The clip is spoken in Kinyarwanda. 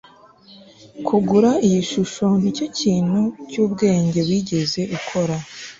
kugura iyi shusho nicyo kintu cyubwenge wigeze ukora